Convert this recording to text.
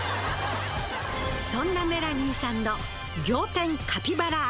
そんなメラニーさんの仰天カピバラ愛